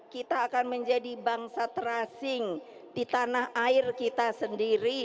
kita akan menjadi bangsa terasing di tanah air kita sendiri